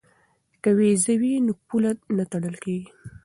که ویزه وي نو پوله نه تړل کیږي.